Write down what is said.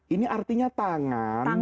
ini artinya tangan